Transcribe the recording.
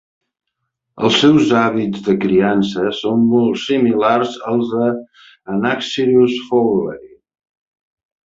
Els seus hàbits de criança són molt similars als de "Anaxyrus fowleri".